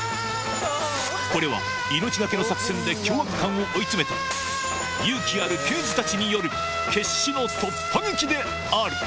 これは命懸けの作戦で凶悪犯を追い詰めた勇気ある刑事たちによる決死の突破劇である！